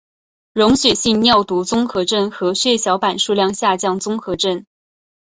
溶血性尿毒综合征和血小板数量下降综合征。